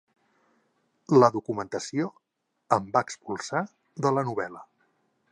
La documentació em va expulsar de la novel·la.